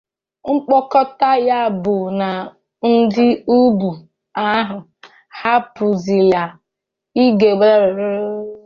Mkpokọta ya bụ na ndị ugbu a ahapụziela ige a na-akụ n'egwu